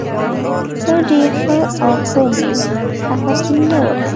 ته ډیر ښه او خوږ يې. هغه په مینه وویل.